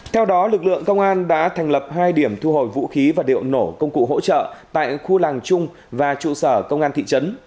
theo đó lực lượng công an đã thành lập hai điểm thu hồi vũ khí và liệu nổ công cụ hỗ trợ tại khu làng chung và trụ sở công an thị trấn